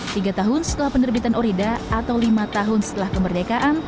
tiga tahun setelah penerbitan orida atau lima tahun setelah kemerdekaan